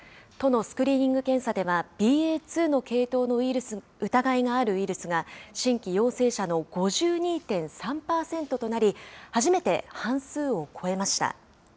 都のスクリーニング検査では、ＢＡ．２の系統の疑いのあるウイルスが新規陽性者の５２．３％となり、初めて半数を超えました。